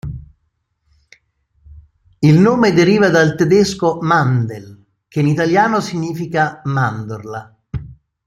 Il nome deriva dal tedesco "Mandel", che in italiano significa "mandorla".